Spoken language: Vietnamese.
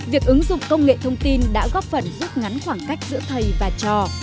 việc ứng dụng công nghệ thông tin đã góp phần giúp ngắn khoảng cách giữa thầy và trò